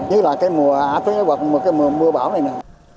như là cái mùa tối hoặc mùa bão này nè